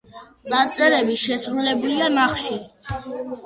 წარწერები შესრულებულია ნახშირით.